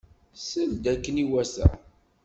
Sel-d akken iwata.